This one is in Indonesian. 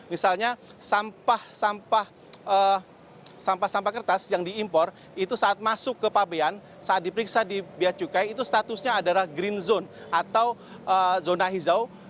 misalnya sampah sampah kertas yang diimpor itu saat masuk ke pabean saat diperiksa di bia cukai itu statusnya adalah green zone atau zona hijau